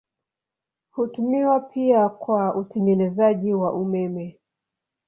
Hutumiwa pia kwa utengenezaji wa umeme.